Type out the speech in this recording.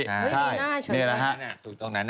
ถูกตรงนั้นนะ